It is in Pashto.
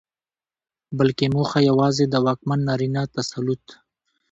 بلکې موخه يواځې د واکمن نارينه تسلط